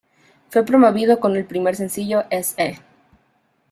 Fue promovido con el primer sencillo "Eez-eh".